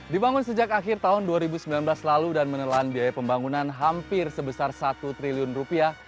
dibangun sejak akhir tahun dua ribu sembilan belas lalu dan menelan biaya pembangunan hampir sebesar satu triliun rupiah